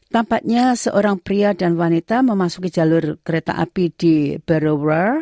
tampaknya seorang pria dan wanita memasuki jalur kereta api di berorer